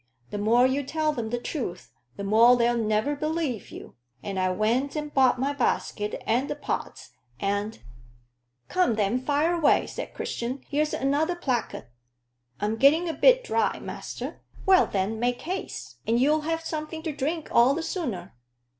The more you tell 'em the truth, the more they'll niver believe you. And I went and bought my basket and the pots, and " "Come then, fire away," said Christian. "Here's another placard." "I'm getting a bit dry, master." "Well, then, make haste, and you'll have something to drink all the sooner."